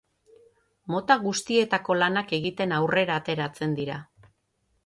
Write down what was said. Mota guztietako lanak egiten aurrera ateratzen dira.